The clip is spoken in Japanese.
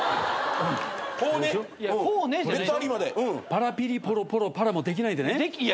パラピリポロポロパラもできないでね。